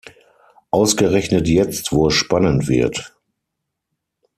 Ausgerechnet jetzt, wo es spannend wird!